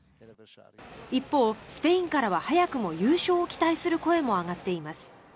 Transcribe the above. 一方スペインからは早くも優勝を期待する声も上がっています。